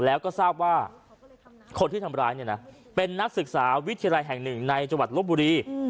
แล้วก็ทราบว่าคนที่ทำร้ายเนี่ยนะเป็นนักศึกษาวิทยาลัยแห่งหนึ่งในจังหวัดลบบุรี